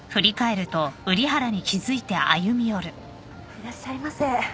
いらっしゃいませ。